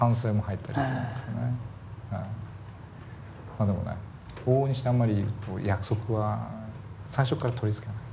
まあでもねあんまり約束は最初から取り付けない。